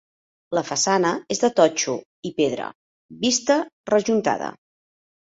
La façana és de totxo i pedra vista rejuntada.